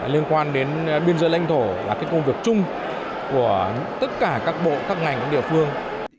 liên quan đến biên giới lãnh thổ là cái công việc chung của tất cả các bộ các ngành các địa phương